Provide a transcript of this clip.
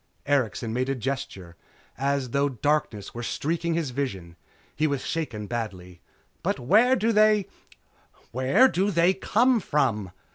Erikson made a gesture as though darkness were streaking his vision. He was shaken badly. "But where do they where do they come from?"